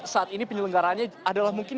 saat ini penyelenggaranya adalah mungkin